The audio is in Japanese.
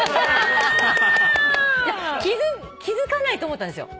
気付かないと思ったんですよ。